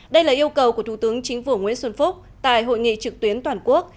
đây là yêu cầu của thủ tướng chính phủ nguyễn xuân phúc tại hội nghị trực tuyến toàn quốc